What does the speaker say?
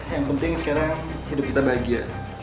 yang penting sekarang hidup kita bahagia